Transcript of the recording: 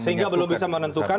sehingga belum bisa menentukan